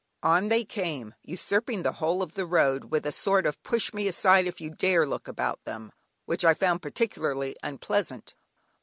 On they came, usurping the whole of the road, with a sort of "push me aside if you dare" look about them, which I found particularly unpleasant.